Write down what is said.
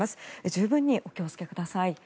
十分にお気をつけください。